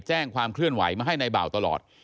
แจ้งความเคลื่อนไหวมาให้ในบ่าวตลอด